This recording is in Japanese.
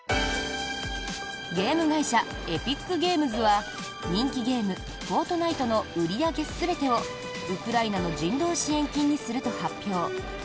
ゲーム会社エピックゲームズは人気ゲーム「フォートナイト」の売り上げ全てをウクライナの人道支援金にすると発表。